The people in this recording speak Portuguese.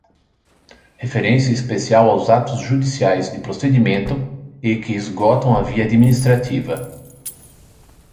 Referência especial aos atos judiciais, de procedimento e que esgotam a via administrativa.